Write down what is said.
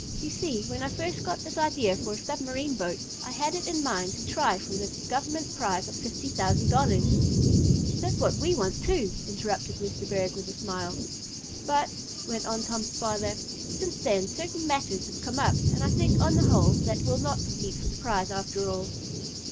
"You see, when I first got this idea for a submarine boat I had it in mind to try for the Government prize of fifty thousand dollars." "That's what we want, too," interrupted Mr. Berg with a smile. "But," went on Tom's father, "since then certain matters have come up, and I think, on the whole, that we'll not compete for the prize after all."